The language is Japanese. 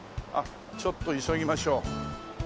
ちょっと急ぎましょう。